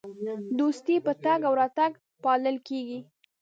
دوستي په تګ او راتګ پالل کیږي.